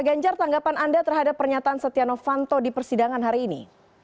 ganjar tanggapan anda terhadap pernyataan setia novanto di persidangan hari ini